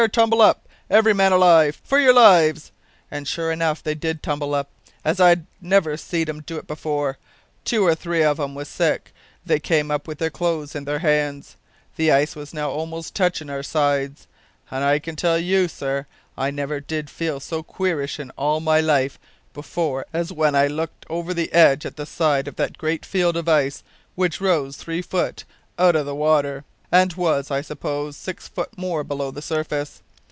tumble up! every man alive! for your lives!' And sure enough they did tumble up, as I never seed 'em do it before two or three of 'em was sick; they came up with their clothes in their hands. The ice was now almost touchin' our sides, and I tell you, sir, I never did feel so queerish in all my life before as when I looked over the side at the edge of that great field of ice which rose three foot out o' the water, and was, I suppose, six foot more below the surface.